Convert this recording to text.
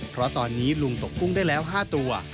เพราะตอนนี้ลุงตกกุ้งได้แล้ว๕ตัว